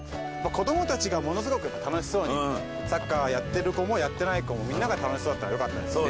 子どもたちがものすごく楽しそうにサッカーやってる子もやってない子もみんなが楽しそうだったからよかったですね